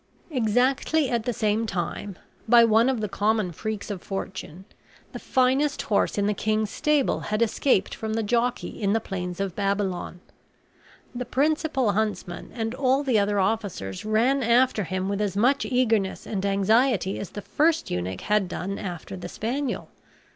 Exactly at the same time, by one of the common freaks of fortune, the finest horse in the king's stable had escaped from the jockey in the plains of Babylon. The principal huntsman and all the other officers ran after him with as much eagerness and anxiety as the first eunuch had done after the spaniel.